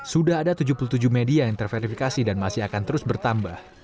sudah ada tujuh puluh tujuh media yang terverifikasi dan masih akan terus bertambah